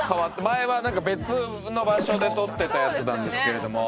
前はなんか別の場所で撮ってたやつなんですけれども。